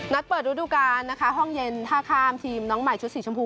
เปิดฤดูการนะคะห้องเย็นท่าข้ามทีมน้องใหม่ชุดสีชมพู